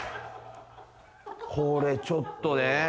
これちょっとね